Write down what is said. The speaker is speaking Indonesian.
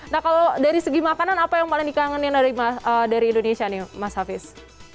nah kalau dari segi makanan apa yang paling dikangenin dari indonesia nih mas hafiz